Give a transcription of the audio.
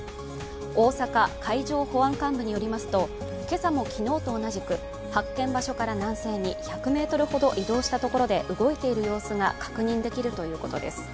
大阪海上保安監部によりますと今朝も昨日と同じく発見場所から南西に１００ｍほど移動したところで動いている様子が確認できるということです。